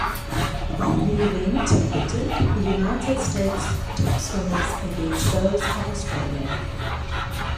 The event pitted the United States' top swimmers against those of Australia.